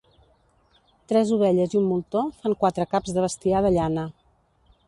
Tres ovelles i un moltó fan quatre caps de bestiar de llana.